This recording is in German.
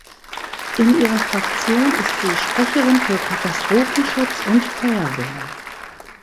In ihrer Fraktion ist sie Sprecherin für Katastrophenschutz und Feuerwehr.